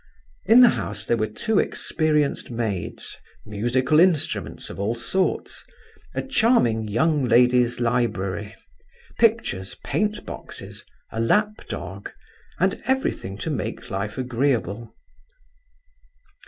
In the house there were two experienced maids, musical instruments of all sorts, a charming "young lady's library," pictures, paint boxes, a lap dog, and everything to make life agreeable.